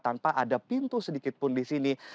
tanpa ada pintu sedikitpun di sini